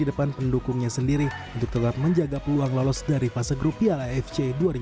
dan pendukungnya sendiri untuk tetap menjaga peluang lolos dari fase grup piala afc dua ribu delapan belas